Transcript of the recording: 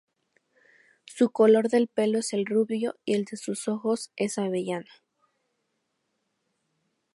Su color del pelo es el rubio y el de sus ojos es avellana.